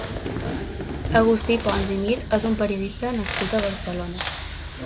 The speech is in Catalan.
Agustí Pons i Mir és un periodista nascut a Barcelona.